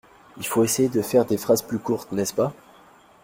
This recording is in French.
Il faut essayer de faire des phrases plus courtes, n'est-ce-pas?